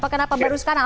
kenapa baru sekarang